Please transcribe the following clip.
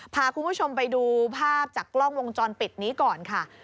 พาคุณผู้ชมไปดูภาพจากกล้องวงจรปิดนี้ก่อนค่ะ